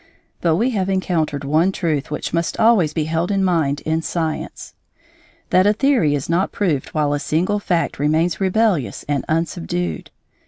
But we have encountered one truth which must always be held in mind in science that a theory is not proved while a single fact remains rebellious and unsubdued.